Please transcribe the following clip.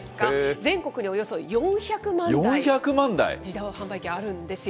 全国におよそ４００万台、自動販売機あるんですよ。